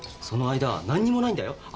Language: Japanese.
その間何にもないんだよ。